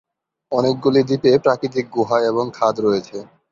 অনেকগুলি দ্বীপে প্রাকৃতিক গুহা এবং খাদ রয়েছে।